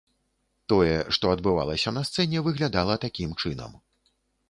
Тое, што адбывалася на сцэне, выглядала такім чынам.